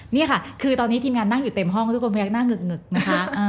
นี่ค่ะคือตอนนี้ทีมงานนั่งอยู่เต็มห้องทุกคนพยักหน้าหงึกนะคะ